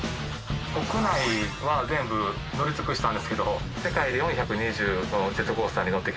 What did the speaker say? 国内は全部乗り尽くしたんですけど世界で４２０のジェットコースターに乗ってきました。